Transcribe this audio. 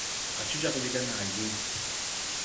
Á coo jag ɓi ga naa yiŋ.